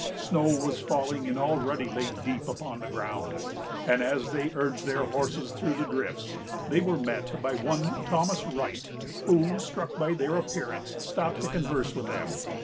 Snow was falling, and already lay deep upon the ground; and, as they urged their horses through the drifts, they were met by one Thomas Wright, who, struck by their appearance, stopped to converse with them.